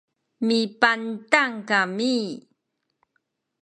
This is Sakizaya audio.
mipantang kami